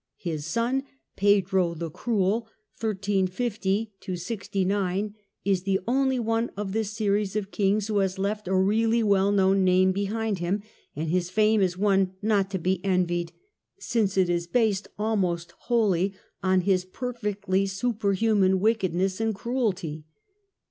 His son, Pedro the Cruel, is the only one of this series of Kings who has left a really well known name behind him, and his fame is one not to be envied, since it is based almost wholly on his perfectly superhuman wickedness and cruelty.